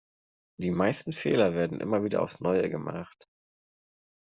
Die meisten Fehler werden immer wieder aufs Neue gemacht.